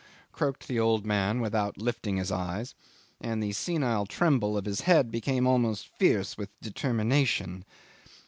croaked the old man without lifting his eyes, and the senile tremble of his head became almost fierce with determination.